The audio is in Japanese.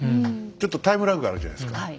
ちょっとタイムラグがあるじゃないですか。